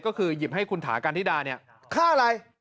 ก็คือหยิบให้คุณถากันธิดาเนี่ยค่าอะไร